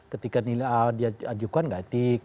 ketika diajukan enggak etik